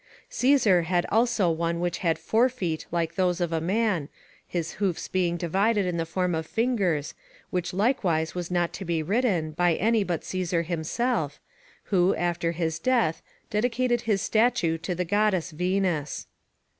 Caesar had also one which had forefeet like those of a man, his hoofs being divided in the form of fingers, which likewise was not to be ridden, by any but Caesar himself, who, after his death, dedicated his statue to the goddess Venus.